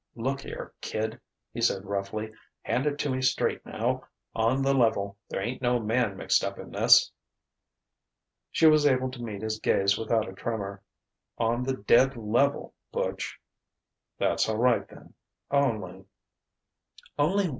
"Look here, kid!" he said roughly. "Hand it to me straight now: on the level, there ain't no man mixed up in this?" She was able to meet his gaze without a tremor: "On the dead level, Butch." "That's all right then. Only...."